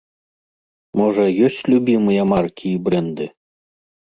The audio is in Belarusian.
Можа, ёсць любімыя маркі і брэнды?